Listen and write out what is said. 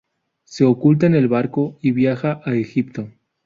Se oculta en un barco y viaja a Egipto.